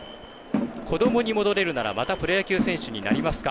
子どもに戻れるならまたプロ野球選手になりますか？